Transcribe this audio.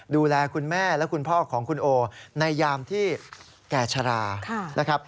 ดูแลคุณแม่และคุณพ่อของคุณโอในยามที่แก่ชะลานะครับ